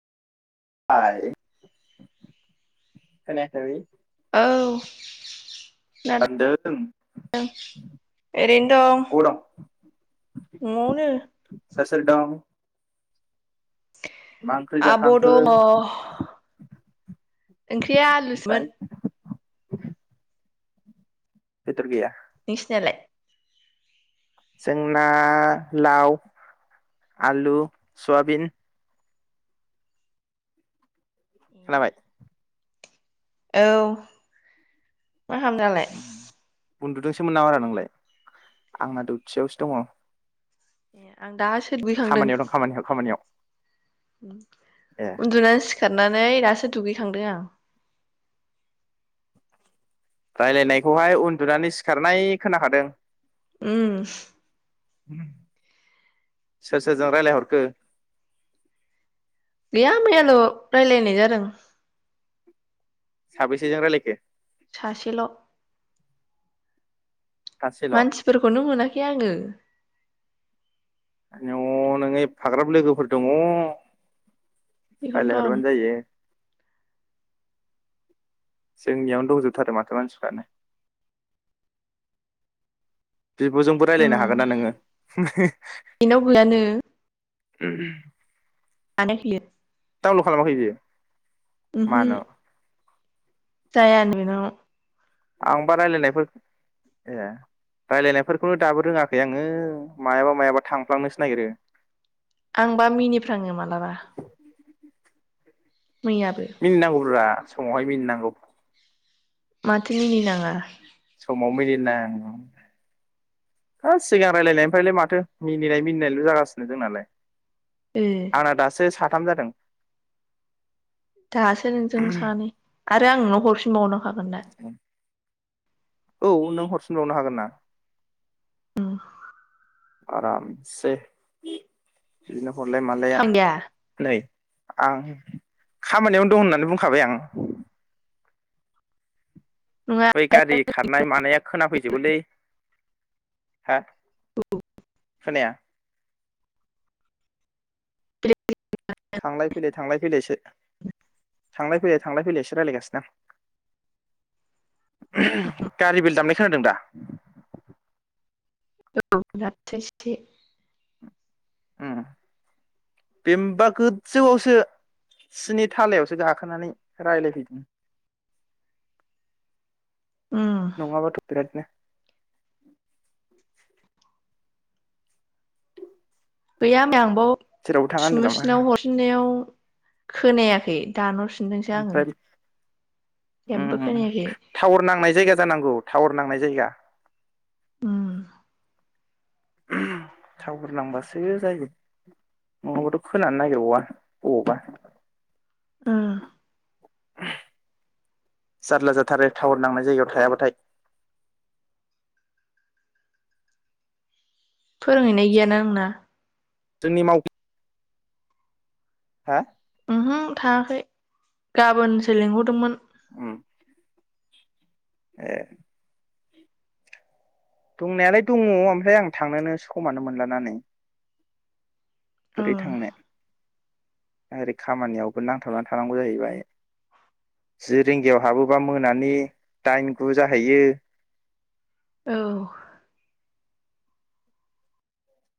[unintelligible] औ। होनदों अबाव दं [unintelligible] सोर सोर दं। मा ओंख्रि आब जाखांखो दङ ओंख्रिया ओमफ्राय आलुसोमोन बेदर गैया। निसिनालाय। जोंना लाव आलु सयाबिन। खोनाबाय। औ। मा खालामदों दालाय। उन्दुदोंसोमोन नामा रा नोंलाय आंना दथियावसो दङ। ए आं दा खामानियाव दं खामानियाव खामानियाव। ए उम उन्दुनानै सिखार नानै दासो दुगैखांदों आं। रायलायनायखौहाय उन्दुनानै सिखारनाय खोनाखादों। उम सोर सोरजों रायलायहरखो? गैया मैयाल' रायलायनाय जादों। साबेसेजों रायलायखो? सासेल'। सासेल' मानसिफोरखौनो मोनाखै आङो। न' नोङो एफाग्राब लोगोफोर दङ। रायलाय बेखौनोथन हरबानो जायो। जोंनियावनो दंजोबथारो माथो मानसिफ्रानो। बिब'जोंबो उम रायलायनो हागोन ना नोङो [unintelligible] बेनाव गैयानो [unintelligible] [unintelligible] डाउलड खालामाखै बियो। उम हो। मानो जायानो बिनाव। आंबा रायलायनायफोर ए रायलायनायफोरखौनो दाबो रोङाखै आङो मायाबा मायाबा थांफ्लांनोसो नागिरो। आंबा मिनिफ्र्राङो मालाबा मैयाबो मिनि नांगौब्रा समावहाय मिनिनांगौ माथो मिनि नाङा सम समाव मिनिनाय ह सिगां रायलायनायनिफ्रायलाय माथो मिनिनाय मिनिनायल' जागासिनो जोंनालाय ओ आना दासो सा थाम जादों दासो नोंजों सानै आरो आंनाव हरफिनबावनो माबोननाय औ नों हरफिनबावनो हागोन ना औ आरामसे [unintelligible] हरलाय मालाया खामानि गैया नै आं खामानियावनो दं होननानै बुंखाबाय आं नङा बै गारि खारनाय मानाया खोनाफैजोबोलै हा खोनाया [unintelligible] थांलाय फैलाय थांलाय फैलाय थांलाय फैलाय थांलाय फैलायसो रायलायगासिनो आं गारि बेल दामनाय खोनादों दा? औ [unintelligible] उ बे होनबा गोजौआवसो सिनि थालायावसो गाखोनानै रायज्लायफैदों [inaudible] उम नङाबाथ' बिरादनो [inaudible] गैया [unintelligible] जेरावबो थाङा होनदों नामा सुमुसिनाव हरफिननायाव खोनायाखै दानहर फिनदोंसो आङो ओमफ्राय जेबो उम उम खोनायाखै टावार नांनाय जायगा जानांगौ टावार नांनाय जायगा ओम थावारनांबासो जायो नङा बाबथ' खोनानो नागिरबावबा बबावबा ओम जारला जाथारो टावन नांनाय जायगायाव थायाबाथाय फोरोंहैनाय गैयाना आंना जोंनि माव [inaudible] हा? ओमहो थाङाखै, गाबोनसो लिंहरदोंमोन। उम [inaudible] दंनायालाय दङ ओमफ्राय आं थांनोनोसो समानो मोनलाना नै। बोरै उम थांनो ओरै खामानियावबो नांथाबनानै थानांगौ जाहैबाय। जि रिंगायाव हाबोबा मोनानि दाइन गु जाहैयो। औ।